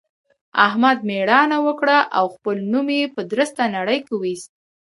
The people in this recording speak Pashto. احمد مېړانه وکړه او خپل نوم يې په درسته نړۍ کې واېست.